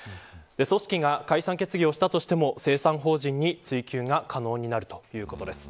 組織が解散決議をしたとしても清算法人については可能ということです。